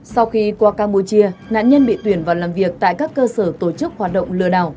sau khi qua campuchia nạn nhân bị tuyển vào làm việc tại các cơ sở tổ chức hoạt động lừa đảo